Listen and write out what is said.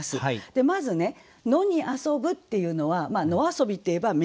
まずね「野に遊ぶ」っていうのは「野遊び」って言えば名詞になる。